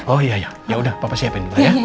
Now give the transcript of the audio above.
oh iya iya ya udah papa siapin dulu ya